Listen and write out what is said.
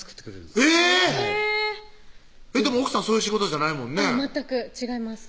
でも奥さんそういう仕事じゃないもんね全く違います